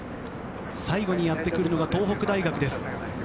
最後にやってくるのが東北大学です。